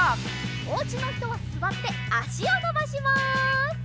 おうちのひとはすわってあしをのばします。